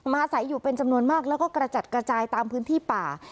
อาศัยอยู่เป็นจำนวนมากแล้วก็กระจัดกระจายตามพื้นที่ป่า